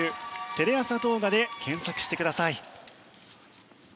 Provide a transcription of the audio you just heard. テレ朝動画で検索してください。